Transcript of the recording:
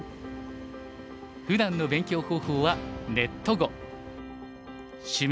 ふだんの勉強方法はネット碁。